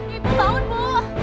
ibu pound bu